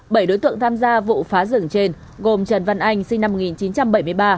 bảy đối tượng tham gia vụ phá rừng trên gồm trần văn anh sinh năm một nghìn chín trăm bảy mươi ba